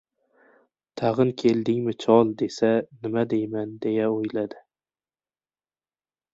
"Tag‘in keldingmi, chol, desa, nima deyman?" deya o‘yladi.